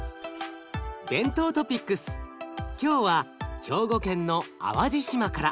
今日は兵庫県の淡路島から。